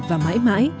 và mãi mãi